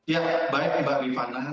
ya baik mbak rifana